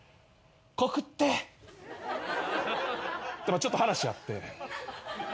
ちょっと話あって。